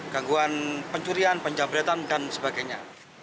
gangguan pencurian penjabretan dan sebagainya